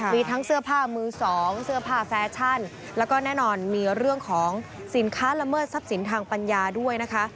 มีทั้งเสื้อผ้ามือสองเสื้อผ้าแฟชั่นแล้วก็แน่นอนมีเรื่องของสินค้าละเมิดทรัพย์สินทางปัญญาด้วยนะคะ